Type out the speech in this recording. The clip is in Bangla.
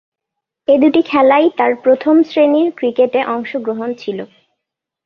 এ দুটি খেলাই তার প্রথম-শ্রেণীর ক্রিকেটে অংশগ্রহণ ছিল।